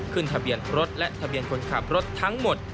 ทะเบียนรถและทะเบียนคนขับรถทั้งหมด